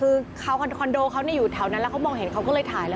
คือเขาคอนโดเขาอยู่แถวนั้นแล้วเขามองเห็นเขาก็เลยถ่ายแล้ว